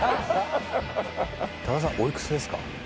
高田さんおいくつですか？